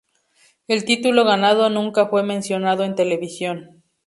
El título ganado nunca fue mencionado en televisión.